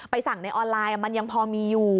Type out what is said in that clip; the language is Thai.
สั่งในออนไลน์มันยังพอมีอยู่